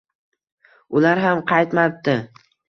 Ular ham qaytmabdi